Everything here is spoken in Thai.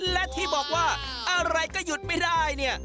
และที่บอกว่าอะไรก็หยุดไม่ได้เนี่ย